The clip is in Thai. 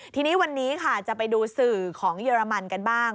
ทีนี้วันนี้ค่ะจะไปดูสื่อของเยอรมันกันบ้าง